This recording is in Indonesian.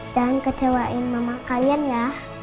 dan kecewain mama kalian ya